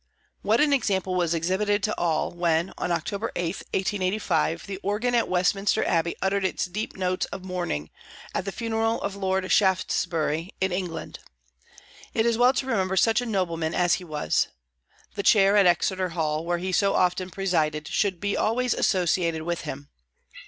What an example was exhibited to all, when, on October 8, 1885, the organ at Westminster Abbey uttered its deep notes of mourning, at the funeral of Lord Shaftesbury, in England. It is well to remember such noblemen as he was. The chair at Exeter Hall, where he so often presided, should be always associated with him.